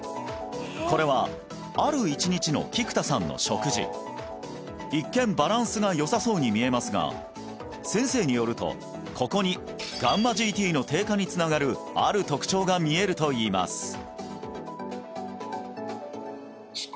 これはある１日の菊田さんの食事一見バランスがよさそうに見えますが先生によるとここにγ−ＧＴの低下につながるある特徴が見えると言います